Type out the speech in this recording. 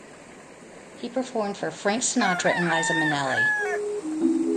He performed for Frank Sinatra and Liza Minnelli.